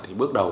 thì bước đầu